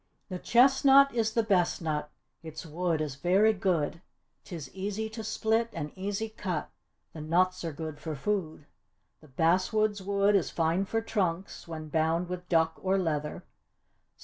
The chestnut is the best nut, its wood is very good; 'Tis easy to split and easy cut; the nuts are good for food. The basswood's wood is fine for trunks, when bound with duck or leather.